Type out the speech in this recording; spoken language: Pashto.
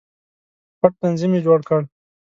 پټ تنظیم یې جوړ کړ.